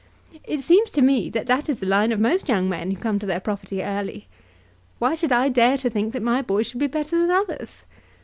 It seems to me that that is the line of most young men who come to their property early. Why should I dare to think that my boy should be better than others?